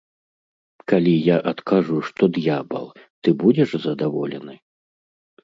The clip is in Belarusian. Калі я адкажу, што д'ябал, ты будзеш задаволены?